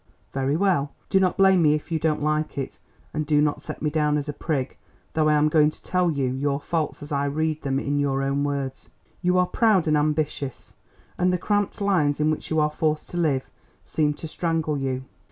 "Very well. Do not blame me if you don't like it, and do not set me down as a prig, though I am going to tell you your faults as I read them in your own words. You are proud and ambitious, and the cramped lines in which you are forced to live seem to strangle you.